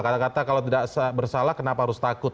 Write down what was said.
kata kata kalau tidak bersalah kenapa harus takut